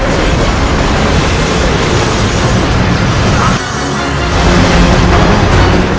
kau akan menang